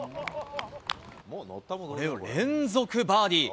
これを連続バーディー。